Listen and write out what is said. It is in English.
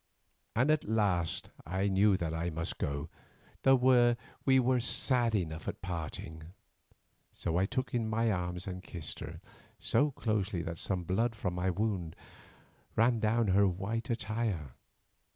And at last I knew that I must go, though we were sad enough at parting. So I took her in my arms and kissed her so closely that some blood from my wound ran down her white attire.